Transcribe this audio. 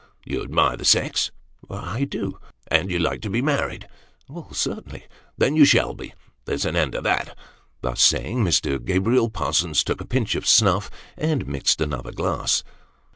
" You admire the sex ?" "I do." " And you'd like to be married ?"" Certainly." " Then you shall be. There's an end of that." Thus saying, Mr. Gabriel Parsons took a pinch of snuff, and mixed another glass.